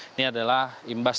ini adalah imbas